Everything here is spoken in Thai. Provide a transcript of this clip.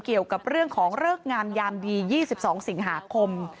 เกี่ยวกับเรื่องของเลิกงามยามดี๒๒สิงหาคม